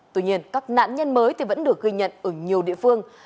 tuy nhiên các nạn nhân mới vẫn được ghi nhận ở nhiều địa phương